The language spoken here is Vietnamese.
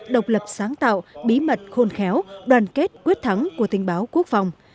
độc lập sáng tạo bí mật khôn khéo đoàn kết quyết thắng của tình báo quốc phòng